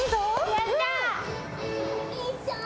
やった！